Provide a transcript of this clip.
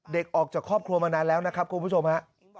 ออกจากครอบครัวมานานแล้วนะครับคุณผู้ชมฮะ